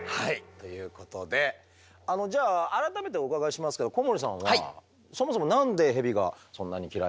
ということでじゃあ改めてお伺いしますけど小森さんはそもそも何でヘビがそんなに嫌いなんだってありますか？